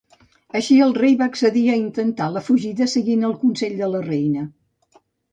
Així, el rei va accedir a intentar la fugida seguint el consell de la reina.